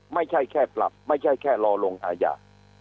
ไม่ใช่แค่ปรับไม่ใช่แค่รอลงอาญา